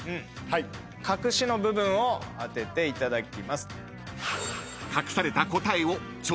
隠しの部分を当てていただきます。